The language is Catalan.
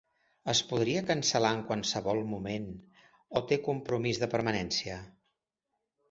Es podria cancel·lar en qualsevol moment o té compromís de permanència?